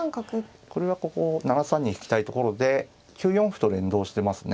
これはここ７三に引きたいところで９四歩と連動してますね。